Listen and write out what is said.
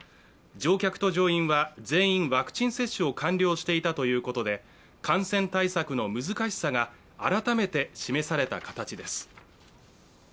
乗客と乗員は全員ワクチン接種を完了していたということで、感染対策の難しさが改めて示された形です。